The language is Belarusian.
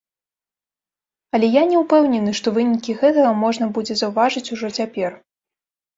Але я не ўпэўнены, што вынікі гэтага можна будзе заўважыць ужо цяпер.